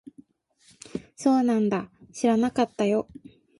そうなんだ。知らなかったよ。